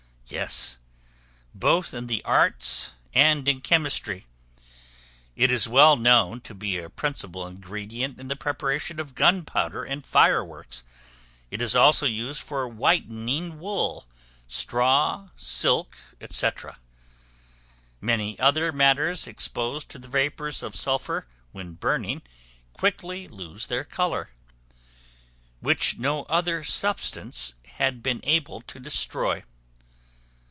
Yes, both in the arts and in chemistry: it is well known to be a principal ingredient in the preparation of gunpowder and fire works; it is also used for whitening wool, straw, silk, &c. many other matters exposed to the vapors of sulphur when burning, quickly lose their color, which no other substance had been able to destroy.